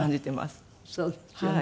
そうですよね。